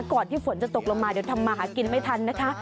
ก่อนที่ฝนจะตกลงมาเดี๋ยวทำมาหากินไม่ทันนะคะ